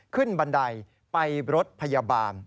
บันไดไปรถพยาบาล